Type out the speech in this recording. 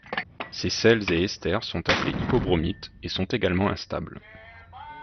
Ses sels et esters sont appelés hypobromites et sont également instables.